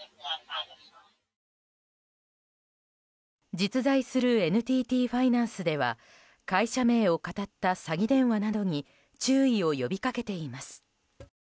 実在するＮＴＴファイナンスでは会社名をかたった詐欺電話などに注意を呼び掛けています。